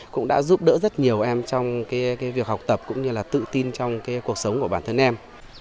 cũng đã giúp đỡ rất nhiều em trong việc học tập cũng như là tự tin trong cuộc sống của bản thân em